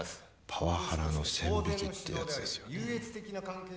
パワハラの線引きってやつですよね？